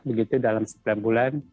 begitu dalam sembilan bulan